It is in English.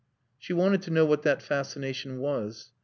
She wanted to know what that fascination was.